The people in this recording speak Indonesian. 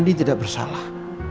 dia tidak bersalah